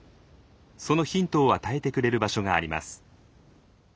そのヒントを与えてくれる場所があります。